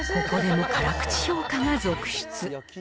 ここでも辛口評価が続出。